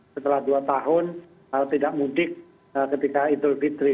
setelah dua tahun tidak mudik ketika idul fitri